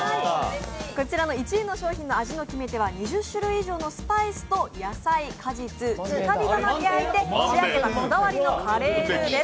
こちらの味の決め手は２０種類以上のスパイスと果実、直火窯で焼いて仕上げたこだわりのカレールーです